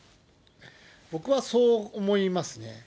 僕はそう思いますね。